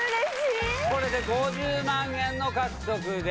これで５０万円の獲得です。